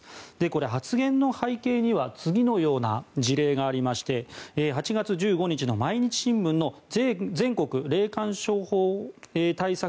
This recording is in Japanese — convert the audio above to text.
この発言の背景には次のような事例がありまして８月１５日の毎日新聞の全国霊感商法対策